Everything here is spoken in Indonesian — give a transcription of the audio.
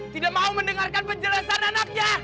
tidak mau mendengarkan penjelasan anaknya